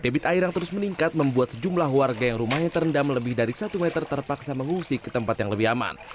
debit air yang terus meningkat membuat sejumlah warga yang rumahnya terendam lebih dari satu meter terpaksa mengungsi ke tempat yang lebih aman